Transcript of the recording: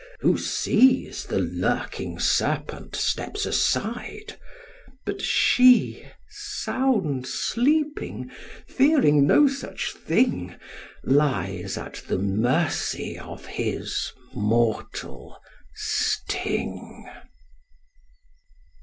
Who sees the lurking serpent steps aside; But she, sound sleeping, fearing no such thing, Lies at the mercy of his mortal sting.